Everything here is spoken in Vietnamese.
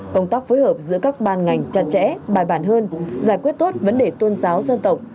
công tác phối hợp giữa các ban ngành chặt chẽ bài bản hơn giải quyết tốt vấn đề tôn giáo dân tộc